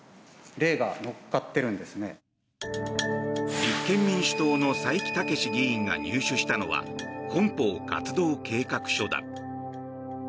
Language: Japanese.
立憲民主党の斉木武志議員が入手したのは本邦活動計画書だ。